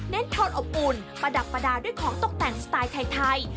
โทนอบอุ่นประดับประดาษด้วยของตกแต่งสไตล์ไทย